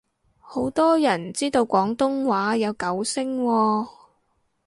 好多人知道廣東話有九聲喎